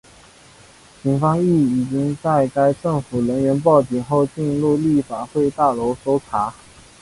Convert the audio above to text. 警方亦已经在该政府人员报警后进入立法会大楼搜查。